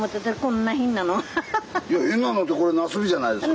いや変なのってこれなすびじゃないですか。